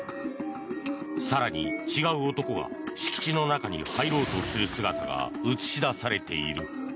更に、違う男が敷地の中に入ろうとする姿が映し出されている。